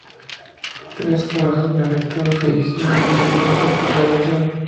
En tres casos, los afectados fallecieron por envenenamiento por radiación.